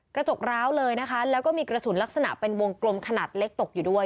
กร้าวเลยนะคะแล้วก็มีกระสุนลักษณะเป็นวงกลมขนาดเล็กตกอยู่ด้วย